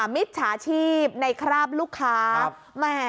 มิจฉาชีพในคราบลูกค้า